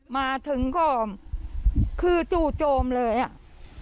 มาถึงก็คือจู่โจมเลยอ่ะ